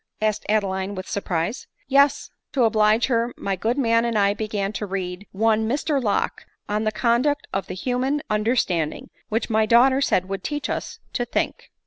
asked Adeline with surprise. " Yes. To oblige her, my good man and I began to read one Mr Locke on the conduct of the human under standing ; which my daughter said would teach us to think."